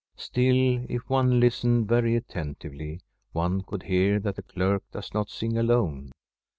Still, if one listened very attentively, one could hear that the clerk does not sing alone.